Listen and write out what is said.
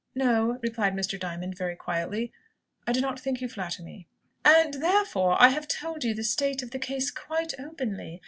"No," replied Mr. Diamond, very quietly, "I do not think you flatter me." "And therefore I have told you the state of the case quite openly.